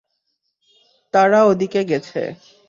তারা ওদিকে গেছে।